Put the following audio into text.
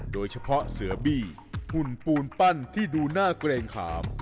โดยเฉพาะเสือบี้หุ่นปูนปั้นที่ดูน่าเกรงขาม